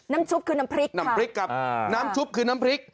ชุบคือน้ำพริกน้ำพริกกับน้ำซุปคือน้ำพริก